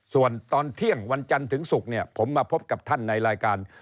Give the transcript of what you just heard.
ส่วนตอนเที่ยงวันจันทร์ถึงศุกร์เนี่ยผมมาพบกับท่านในรายการ